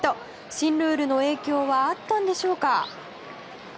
新ルールの影響はあったのでしょうか？